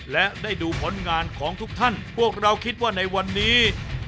และได้ดูผลงานของทุกท่านพวกเราคิดว่าในวันนี้